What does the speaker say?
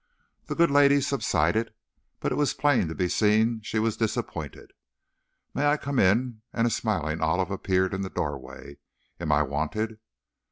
The good lady subsided, but it was plain to be seen she was disappointed. "May I come in?" and a smiling Olive appeared in the doorway. "Am I wanted?"